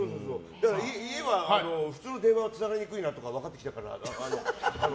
家は普通の電話はつながりにくいなとか分かってきたから。